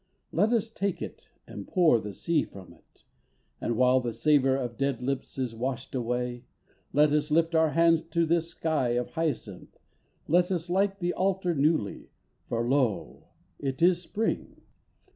Let us take it and pour the sea from it, And while the savor of dead lips is washed away, Let us lift our hands to this sky of hyacinth. Let us light the altar newly, for lo! it is spring.